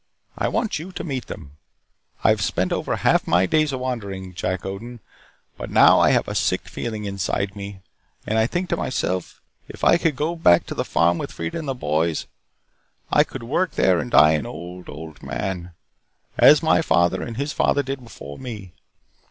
I want you to meet them. I have spent over half my days a wandering, Jack Odin, but now I have a sick feeling inside me. And I think to myself if I could go back to the farm with Freida and the boys, I could work there, and die an old, old man as my father and his father did before me.